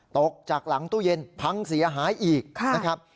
ตกจากหลังตู้เย็นพังเสียหายอีกนะครับ